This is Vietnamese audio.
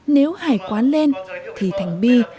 nếu hài quá lên thì thành bi